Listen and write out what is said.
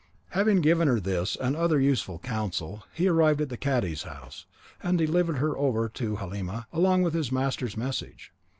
Having given her this and other useful counsel, he arrived at the cadi's house, and delivered her over to Halima along with his master's message.